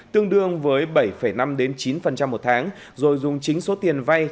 tương đương với bảy năm chín một tháng rồi dùng chính số tiền vay